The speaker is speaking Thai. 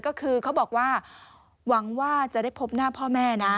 ก็คือเขาบอกว่าหวังว่าจะได้พบหน้าพ่อแม่นะ